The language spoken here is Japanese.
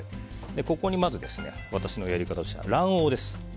ここに、まず私のやり方は卵黄です。